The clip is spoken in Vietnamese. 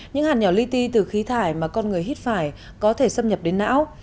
những hạt nhỏ ly ti từ khí thải mà con người hít phải có thể xâm nhập đến não